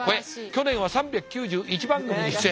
去年は３９１番組に出演。